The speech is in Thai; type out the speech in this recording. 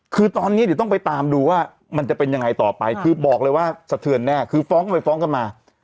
คือตอนนี้เดี๋ยวต้องไปตามดูว่ามันจะเป็นยังไงต่อไปคือบอกเลยว่าสะเทือนแน่คือฟ้องไปฟ้องกันมา